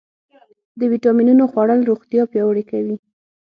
د ویټامینونو خوړل روغتیا پیاوړې کوي.